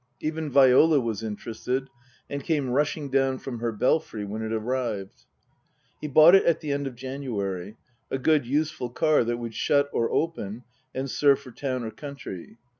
Even Viola was interested and came rushing down from her Belfry when it arrived. He bought it at the end of January. A good, useful car that would shut or open and serve for town or country.